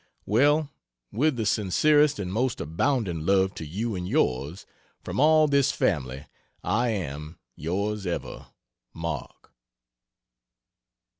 Well, with the sincerest and most abounding love to you and yours, from all this family, I am, Yrs ever MARK.